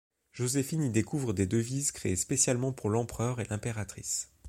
Joséphine y découvre des devises créées spécialement pour l’empereur et l’impératrice.